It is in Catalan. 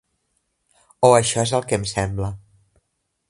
O això és el que em sembla.